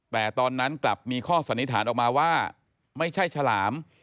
แต่ตอนนั้นกลับมีข้อสันนิษฐานออกมาว่าไม่ใช่ฉลาม